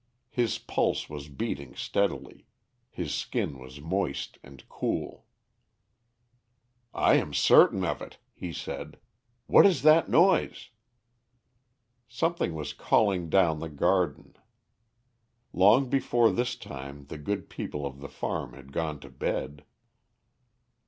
His pulse was beating steadily; his skin was moist and cool. "I am certain of it," he said. "What is that noise?" Something was calling down the garden. Long before this time the good people of the farm had gone to bed.